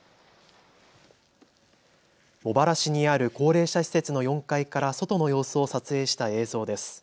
茂原市にある高齢者施設の４階から外の様子を撮影した映像です。